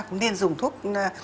cũng nên dùng thuốc